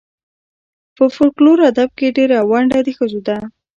په فولکور ادب کې ډېره ونډه د ښځو ده.